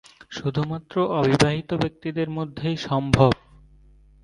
শুধুমাত্র অবিবাহিত ব্যক্তিদের মধ্যেই সম্ভব।